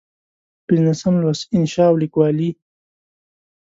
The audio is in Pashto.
پنځلسم لوست: انشأ او لیکوالي